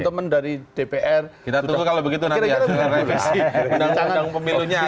sebenarnya mereka melihat kepadanya di mana yaitu optimalnya